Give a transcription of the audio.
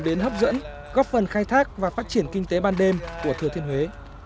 đến hấp dẫn góp phần khai thác và phát triển kinh tế ban đêm của thừa thiên huế